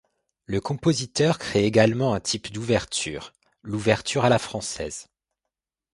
Le compositeur crée également un type d’ouverture, l’ouverture à la française.